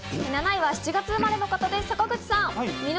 ７位は７月生まれの方です、坂口さん。